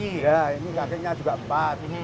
iya ini kakinya juga empat ini